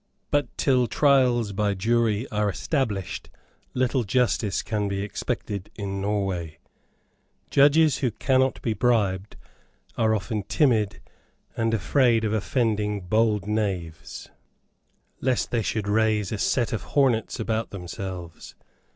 But till trials by jury are established, little justice can be expected in Norway. Judges who cannot be bribed are often timid, and afraid of offending bold knaves, lest they should raise a set of hornets about themselves.